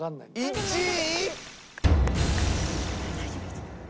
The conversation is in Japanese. １位。